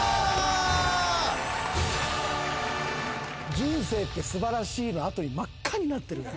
「人生ってすばらしい」の後に真っ赤になってるやん。